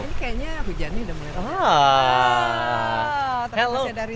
ini kayaknya hujannya sudah mulai